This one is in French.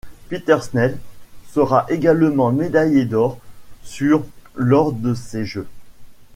Peter Snell sera également médaillé d'or sur lors de ces Jeux.